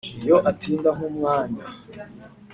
iyo atinda nk'umwanya